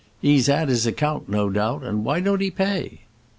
'E's 'ad 'is account, no doubt, and why don't 'e pay?"